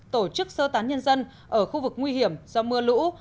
tổ chức sơ tán nhân dân ở khu vực nguy hiểm do mưa lũ